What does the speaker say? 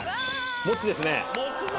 モツですね。